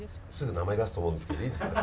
名前出すと思いますけどいいですか？